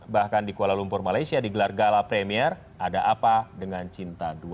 bahkan di kuala lumpur malaysia digelar gala premier ada apa dengan cinta dua